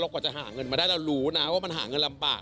กว่าจะหาเงินมาได้เรารู้นะว่ามันหาเงินลำบาก